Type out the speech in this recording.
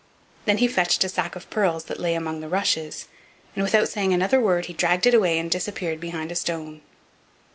Then he fetched a sack of pearls that lay among the rushes, and without saying another word he dragged it away and disappeared behind a stone.